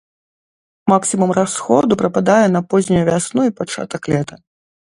Максімум расходу прыпадае на познюю вясну і пачатак лета.